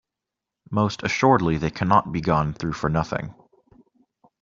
Most assuredly they cannot be gone through for nothing.